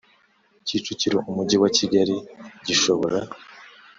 Kicukiro Umujyi wa Kigali Gishobora